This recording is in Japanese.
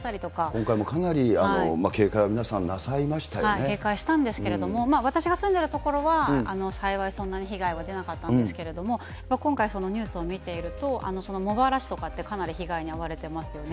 今回もかなり警戒を皆さん、警戒したんですけれども、私が住んでいる所は、幸いそんなに被害は出なかったんですけれども、今回、ニュースを見ていると、その茂原市とかってかなり被害に遭われてますよね。